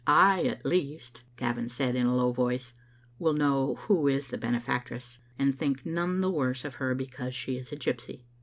"I, at least," Gavin said in a low voice, "will know who is the benefactress, and think none the worse of her because she is a gypsy.